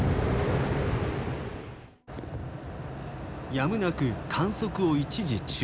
やむなく観測を一時中断。